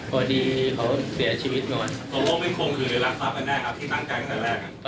พอดีเขาเสียชีวิตนอน